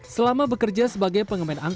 selama bekerja sebagai pengamen angklung